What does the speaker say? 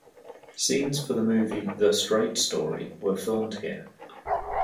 Scenes for the movie "The Straight Story" were filmed here.